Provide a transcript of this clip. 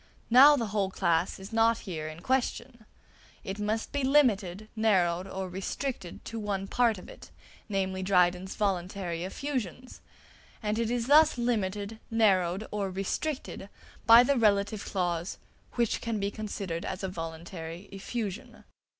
Now the whole class is not here in question; it must be limited, narrowed, or restricted, to one part of it, namely Dryden's voluntary effusions; and it is thus limited, narrowed, or restricted, by the relative clause "which can be considered as a voluntary effusion."